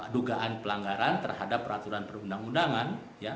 dugaan pelanggaran terhadap peraturan perundang undangan